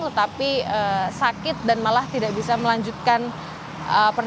jangan sampai ada keadaan sakit ataupun tidak fit begitu dan terus melakukan mudik sehingga memaksakan diri untuk pulang kampung